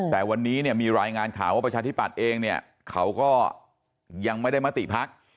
แต่วันนี้เนี่ยมีรายงานข่าวว่าประชาธิปัตย์เองเนี่ยเขาก็ยังไม่ได้มติพัก